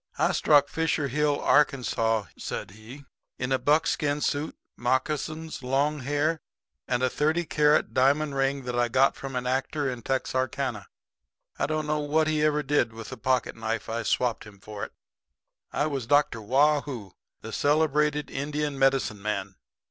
"I struck Fisher Hill, Arkansaw," said he, "in a buckskin suit, moccasins, long hair and a thirty carat diamond ring that I got from an actor in Texarkana. I don't know what he ever did with the pocket knife I swapped him for it. "I was Dr. Waugh hoo, the celebrated Indian medicine man.